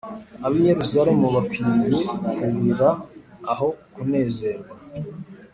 Ab’i Yeruzalemu bakwiriye kurira aho kunezerwa